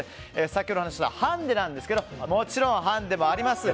先ほど話したハンデなんですがもちろんハンデはあります。